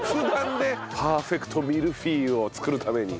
パーフェクトミルフィーユを作るために。